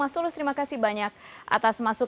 mas tulus terima kasih banyak atas masuk